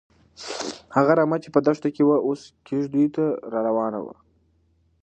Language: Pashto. هغه رمه چې په دښته کې وه، اوس کيږديو ته راروانه ده.